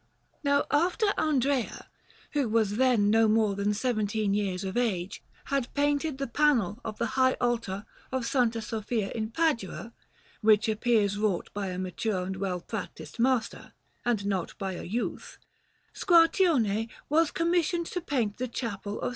Now after Andrea, who was then no more than seventeen years of age, had painted the panel of the high altar of S. Sofia in Padua, which appears wrought by a mature and well practised master, and not by a youth, Squarcione was commissioned to paint the Chapel of S.